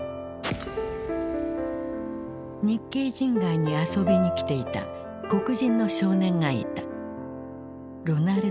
日系人街に遊びに来ていた黒人の少年がいた。